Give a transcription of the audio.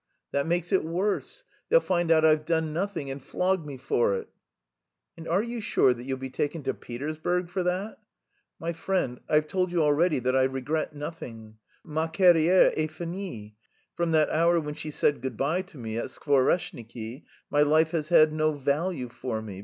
"That makes it worse. They'll find out I've done nothing and flog me for it." "And you are sure that you'll be taken to Petersburg for that." "My friend, I've told you already that I regret nothing, ma carrière est finie. From that hour when she said good bye to me at Skvoreshniki my life has had no value for me...